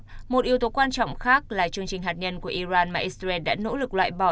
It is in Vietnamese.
trong đó một yếu tố quan trọng khác là chương trình hạt nhân của iran mà israel đã nỗ lực loại bỏ